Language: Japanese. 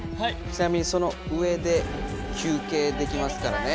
ちなみにその上で休けいできますからね。